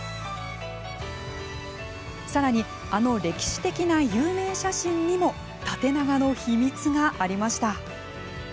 さらに、あの歴史的な有名写真にも縦長の秘密がありました。